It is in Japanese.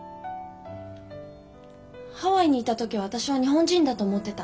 ハワイにいた時は私は日本人だと思ってたんです。